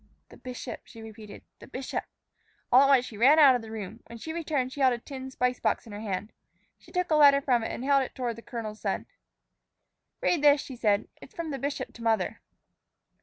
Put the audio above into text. "The bishop!" she repeated; "the bishop!" All at once she ran out of the room. When she returned, she held a tin spice box in her hand. She took a letter from it and held it toward the colonel's son. "Read this," she said. "It's from the bishop to mother."